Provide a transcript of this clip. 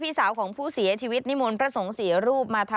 ที่บาดคอกับเส้นที่ขาด